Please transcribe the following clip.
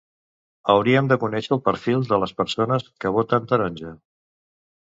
Hauríem de conèixer el perfil de les persones que voten "taronja".